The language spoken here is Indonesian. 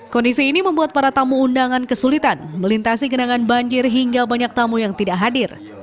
kondisi ini membuat para tamu undangan kesulitan melintasi genangan banjir hingga banyak tamu yang tidak hadir